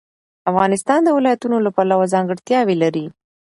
افغانستان د ولایتونو له پلوه ځانګړتیاوې لري.